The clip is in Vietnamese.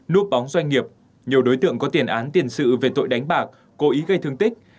núp bóng doanh nghiệp nhiều đối tượng có tiền án tiền sự về tội đánh bạc cố ý gây thương tích